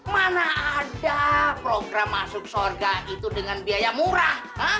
mana ada program masuk sorga itu dengan biaya murah